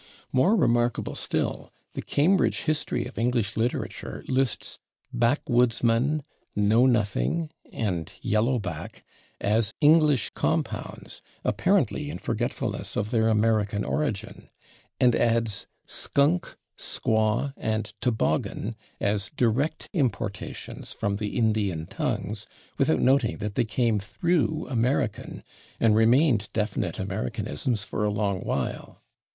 More remarkable still, the Cambridge History of English Literature lists /backwoodsman/, /know nothing/ and /yellow back/ as English compounds, apparently in forgetfulness of their American origin, and adds /skunk/, /squaw/ and /toboggan/ as direct importations from the Indian tongues, without noting that they came through American, and remained definite Americanisms for a long while.